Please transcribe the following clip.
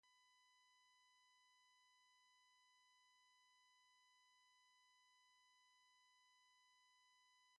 They could hardly view this as anything but an act of gracious condescension.